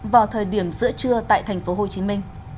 vào thời điểm giữa trưa tại tp hcm